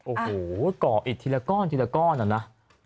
โอ้โหก่ออิดทีละก้อนทีละก้อนอะนะ